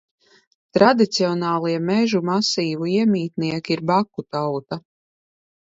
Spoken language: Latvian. Tradicionālie mežu masīvu iemītnieki ir baku tauta.